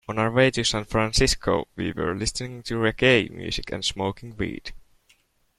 On our way to San Francisco, we were listening to reggae music and smoking weed.